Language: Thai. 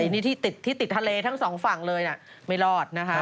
แต่นี่ที่ติดทะเลทั้งสองฝั่งเลยอ่ะไม่รอด